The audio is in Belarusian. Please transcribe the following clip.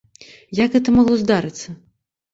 Як гэта магло здарыцца?